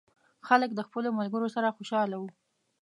هلک د خپلو ملګرو سره خوشحاله و.